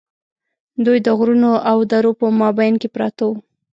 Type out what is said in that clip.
دوی د غرونو او درو په مابین کې پراته وو.